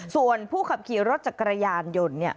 ส่วนผู้ขับขี่รถจักรยานยนต์